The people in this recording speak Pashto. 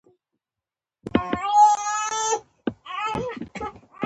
شامپانزي پینځه ساعته خام خواړه ژوول او انسان یو ساعت دا کار کاوه.